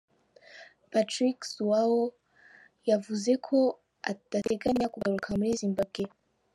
Patrick zhuwao yavuze ko adateganya kugaruka muri Zimbabwe.